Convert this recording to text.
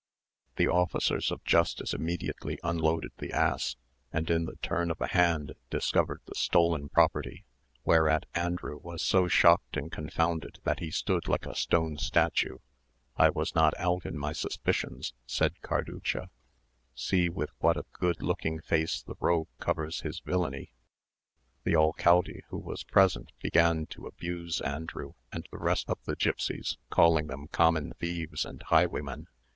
The officers of justice immediately unloaded the ass, and in the turn of a hand discovered the stolen property, whereat Andrew was so shocked and confounded that he stood like a stone statue. "I was not out in my suspicions," said Carducha; "see with what a good looking face the rogue covers his villany." The alcalde, who was present, began to abuse Andrew and the rest of the gipsies, calling them common thieves and highwaymen.